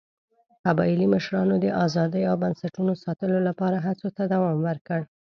قبایلي مشرانو د ازادۍ او بنسټونو ساتلو لپاره هڅو ته دوام ورکړ.